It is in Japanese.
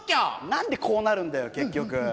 何でこうなるんだよ結局。